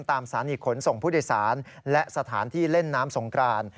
สถานีขนส่งผู้โดยสารและสถานที่เล่นน้ำสงกราน